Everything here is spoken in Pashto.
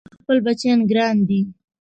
په ما خپل بچيان ګران دي